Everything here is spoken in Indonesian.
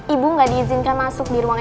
ibu gak diizinkan masuk di ruang ac